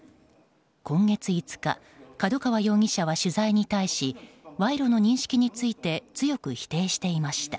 今月５日角川容疑者は取材に対し賄賂の認識について強く否定していました。